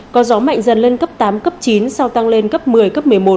có gió mạnh dần lên cấp tám cấp chín sau tăng lên cấp một mươi cấp một mươi một